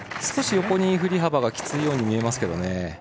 少し横に振り幅がきついように思えます。